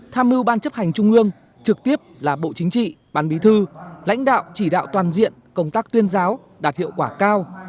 tham mưu ban chấp hành trung ương trực tiếp là bộ chính trị ban bí thư lãnh đạo chỉ đạo toàn diện công tác tuyên giáo đạt hiệu quả cao